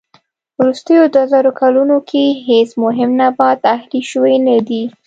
وروستيو دووزرو کلونو کې هېڅ مهم نبات اهلي شوی نه دي.